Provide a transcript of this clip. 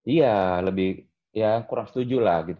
iya lebih ya kurang setuju lah gitu